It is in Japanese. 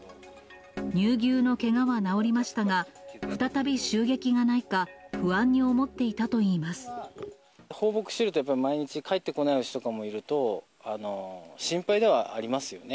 乳牛のけがは治りましたが、再び襲撃がないか、不安に思って放牧してるとやっぱり、毎日、帰ってこない牛とかもいると、心配ではありますよね。